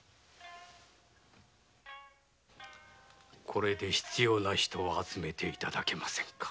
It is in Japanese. これで必要な人を集めていただけませんか？